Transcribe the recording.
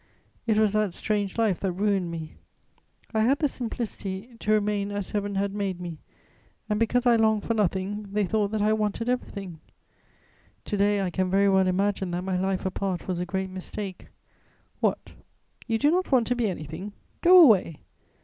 It was that strange life that ruined me. I had the simplicity to remain as Heaven had made me and, because I longed for nothing, they thought that I wanted everything. To day I can very well imagine that my life apart was a great mistake. What! You do not want to be anything? Go away!